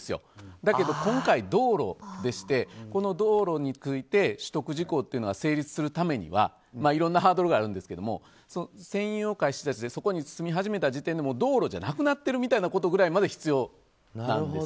だけど、今回は道路でしてこの道路について取得時効というのが成立するためにはいろんなハードルがあるんですけど占用を開始したそこに住み始めた時点で道路じゃなくなってるみたいなことまで必要なんです。